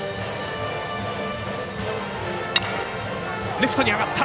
レフトに上がった。